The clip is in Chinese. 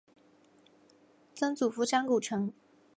曾祖父张谷成。